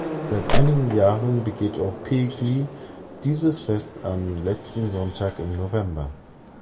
Seit einigen Jahren begeht auch Pegli dieses Fest am letzten Sonntag im November.